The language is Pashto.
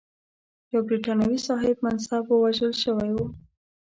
یو برټانوي صاحب منصب وژل شوی و.